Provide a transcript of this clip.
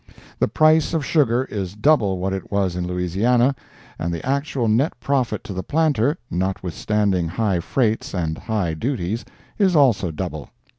The price of sugar is double what it was in Louisiana, and the actual net profit to the planter, notwithstanding high freights and high duties, is also double.